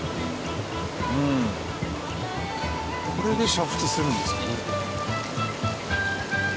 これで煮沸するんですかね？